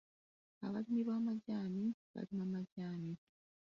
Abalimi b'amajaani balima majaani.